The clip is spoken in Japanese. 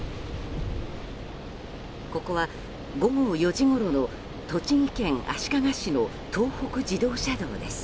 ここは午後４時ごろの栃木県足利市の東北自動車道です。